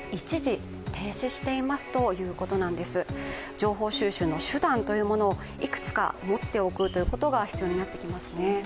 情報収集の手段というものをいつくか持っておくことが必要になってきますね。